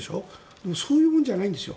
でも、そういうものじゃないんですよ。